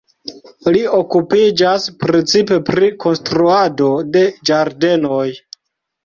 Li okupiĝas precipe pri konstruado de ĝardenoj.